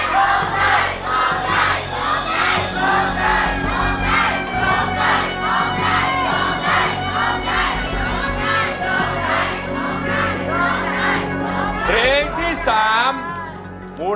ร้องได้ร้องได้ร้องได้ร้อง